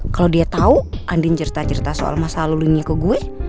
kalau dia tau andin cerita cerita soal masalah lulingnya ke gue